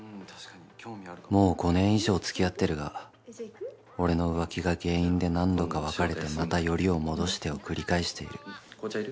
もう５年以上つきあってるが俺の浮気が原因で何度か別れてまたよりを戻してを繰り返している紅茶いる？